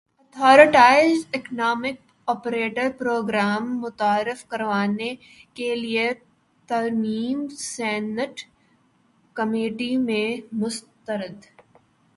authorised economic operator program متعارف کروانے کیلئے ترمیم سینیٹ کمیٹی میں مسترد